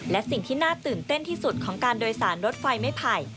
และสิ่งที่น่าตื่นเต้นที่สุดของการโดยสารรถไฟไม่ไผ่